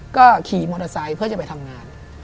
ก็ขี่มอเตอร์ไซค์เพื่อจะไปทำงาน